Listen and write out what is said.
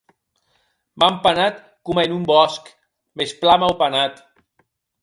M’an panat coma en un bòsc, mès plan mau panat.